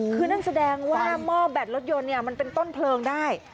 คือนั่นแสดงว่าหม้อแบตรถยนต์เนี่ยมันเป็นต้นเพลิงได้